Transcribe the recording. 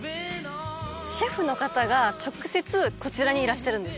シェフの方が直接こちらにいらっしゃるんですか？